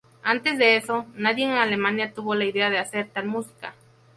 Antes de eso, nadie en Alemania tuvo la idea de hacer tal música.